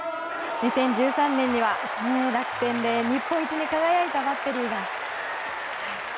２０１３年には楽天で日本一に輝いたバッテリーが。